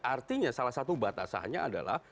artinya salah satu batasannya adalah